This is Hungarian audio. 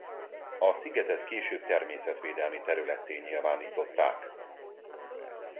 A szigetet később természetvédelmi területté nyilvánították.